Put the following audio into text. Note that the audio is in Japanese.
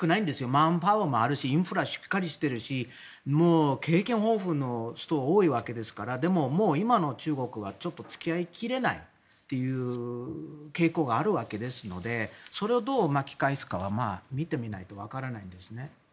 マンパワーもあるしインフラもしっかりしてるし経験豊富の人が多いわけですからでも今の中国はちょっと付き合いきれないという傾向があるわけですのでそれをどう巻き返すかは見てみないと分からないですね。